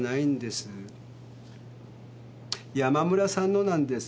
山村さんのなんです。